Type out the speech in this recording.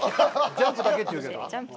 ジャンプだけって言うけど。